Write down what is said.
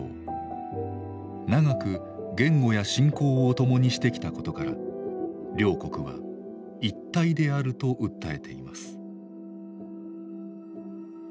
長く言語や信仰を共にしてきたことから両国は一体であると訴えています。